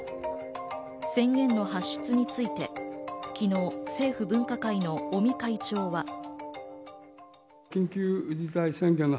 宣言の発出について、昨日、政府分科会の尾身会長は。